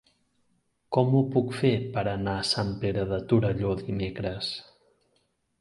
Com ho puc fer per anar a Sant Pere de Torelló dimecres?